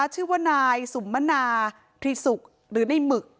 ชื่อว่านายสุมมนาตรีสุกหรือในหมึก